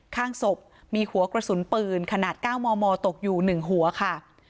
ข้างศพมีหัวกระสุนปืนขนาด๙มมตกอยู่๑หัวค่ะ